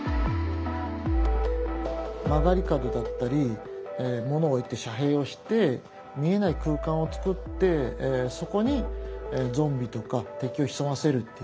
曲がり角だったり物を置いて遮蔽をして見えない空間を作ってそこにゾンビとか敵を潜ませるっていう。